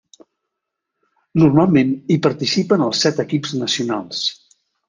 Normalment hi participen els set equips nacionals.